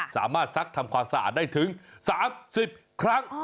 ซักทำความสะอาดได้ถึง๓๐ครั้ง